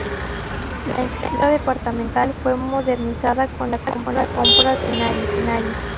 La imprenta Departamental fue modernizada con la compra de maquinaria.